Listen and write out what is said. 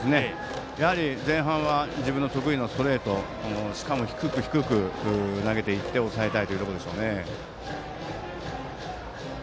やはり、前半は自分の得意なストレートしかも低く低く投げていって抑えたいというところでしょうね。